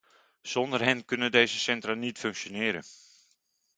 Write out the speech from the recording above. Zonder hen kunnen deze centra niet functioneren.